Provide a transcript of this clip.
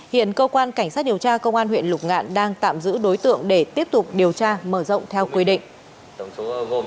hiện công an huyện lục ngạn đang tạm giữ đối tượng để tiếp tục điều tra mở rộng theo quy định